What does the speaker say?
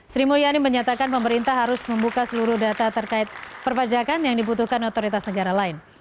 sri mulyani menyatakan pemerintah harus membuka seluruh data terkait perpajakan yang dibutuhkan otoritas negara lain